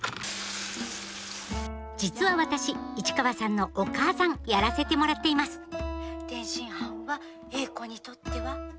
実は私市川さんのお母さんやらせてもらっています「天津飯は詠子にとってはモヤモヤ飯」。